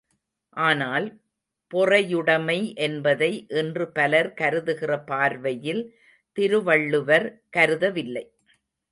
ஆனால், பொறையுடைமை என்பதை இன்று பலர் கருதுகிற பார்வையில் திருவள்ளுவர் கருதவில்லை.